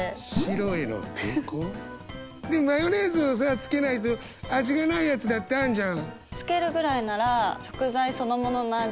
でもマヨネーズをさつけないと味がないやつだってあんじゃん。